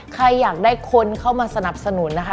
ใครอยากได้คนเข้ามาสนับสนุนนะคะ